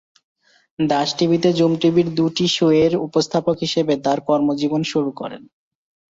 দাস টিভিতে জুম টিভির দুটি শোয়ের উপস্থাপক হিসেবে তার কর্মজীবন শুরু করেন।